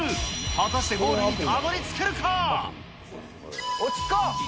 果たしてゴールにたどりつけるか。